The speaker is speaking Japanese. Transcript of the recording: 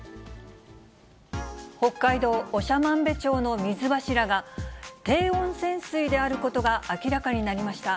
北海道長万部町の水柱が、低温泉水であることが明らかになりました。